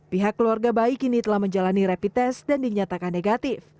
pihak keluarga bayi kini telah menjalani rapid test dan dinyatakan negatif